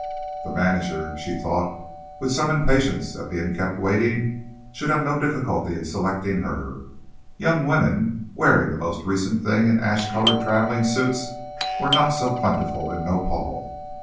The manager, she thought, with some impatience at being kept waiting, should have no difficulty in selecting her. Young women wearing the most recent thing in ash coloured travelling suits were not so plentiful in Nopal!